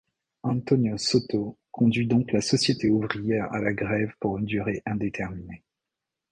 Antonio Soto conduit donc la Société ouvrière à la grève pour une durée indéterminée.